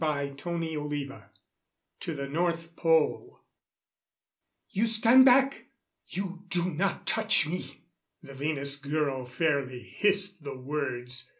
CHAPTER IV To the North Pole "You stand back! You do not touch me!" The Venus girl fairly hissed the words.